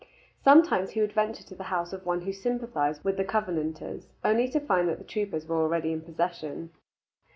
Sometimes he would venture to the house of one who sympathized with the Covenanters, only to find that the troopers were already in possession.